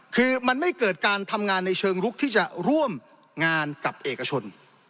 คือมันไม่เกิดการทำงานในเชิงลุกที่จะร่วมงานกับเอกชน